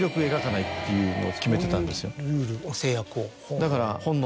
だから。